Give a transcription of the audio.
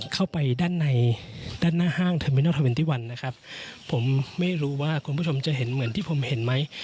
เข้าไปด้านในด้านหน้าห้างนะครับผมไม่รู้ว่าคุณผู้ชมจะเห็นเหมือนที่ผมเห็นไหม